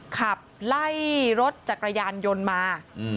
ขับไล่รถจักรยานยนต์มา